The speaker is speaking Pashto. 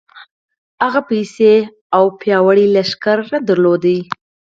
هغه پيسې او پياوړی لښکر نه درلود.